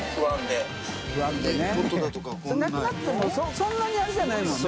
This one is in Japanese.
そんなにあれじゃないもんね。